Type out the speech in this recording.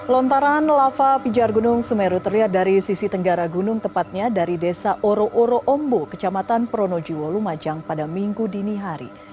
lontaran lava pijar gunung semeru terlihat dari sisi tenggara gunung tepatnya dari desa oro oro ombo kecamatan pronojiwo lumajang pada minggu dini hari